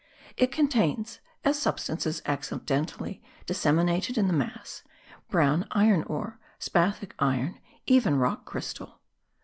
It contains, as substances accidentally disseminated in the mass, brown iron ore, spathic iron, even rock crystal.